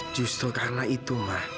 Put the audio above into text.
justru karena itu ma